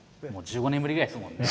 １５年ぶりぐらいですもんね。